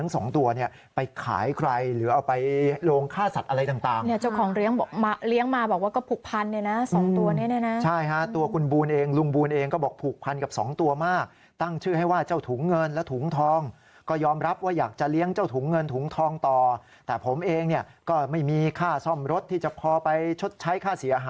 สองตัวเนี่ยไปขายใครหรือเอาไปโรงฆ่าสัตว์อะไรต่างเนี่ยเจ้าของเลี้ยงบอกมาเลี้ยงมาบอกว่าก็ผูกพันเนี่ยนะสองตัวนี้เนี่ยนะใช่ฮะตัวคุณบูลเองลุงบูลเองก็บอกผูกพันกับสองตัวมากตั้งชื่อให้ว่าเจ้าถุงเงินและถุงทองก็ยอมรับว่าอยากจะเลี้ยงเจ้าถุงเงินถุงทองต่อแต่ผมเองเนี่ยก็ไม่มีค่าซ่อมรถที่จะพอไปชดใช้ค่าเสียหาย